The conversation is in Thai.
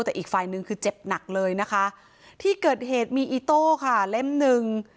แต่อีกฝ่ายหนึ่งคือเจ็บหนักเลยนะคะที่เกิดเหตุมีอิโต้ค่ะเล่มหนึ่ง